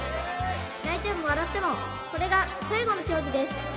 泣いても笑ってもこれが最後の競技です